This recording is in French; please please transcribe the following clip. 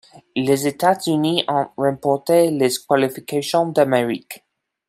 Les États-Unis ont remporté les qualifications d'Amérique.